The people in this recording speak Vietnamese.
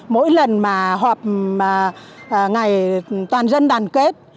mỗi lần mà họp ngày toàn dân đoàn kết